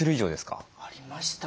ありましたね。